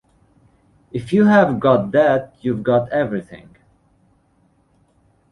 If you've got that, you've got everything.